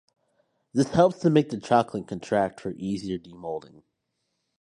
This helps to make the chocolate contract for easier demoulding.